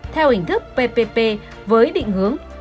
theo hình thức ppp với định hướng